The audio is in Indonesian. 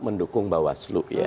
mendukung mbak waslu